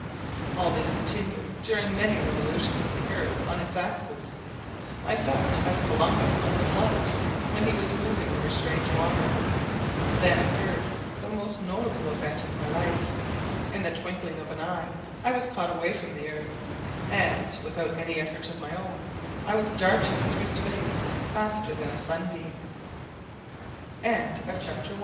All this continued during many revolutions of the Earth on its axis. I felt as Columbus must have felt when he was moving over strange waters. Then occurred the most notable event of my life. In the twinkling of an eye I was caught away from the Earth and, without any effort of my own, I was darting through space faster than a sunbeam. CHAPTER II.